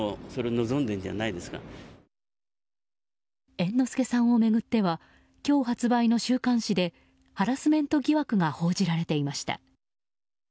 猿之助さんを巡っては今日発売の週刊誌でハラスメント疑惑が報じられていました。